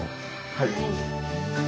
はい。